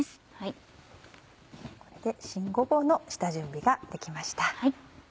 これで新ごぼうの下準備ができました。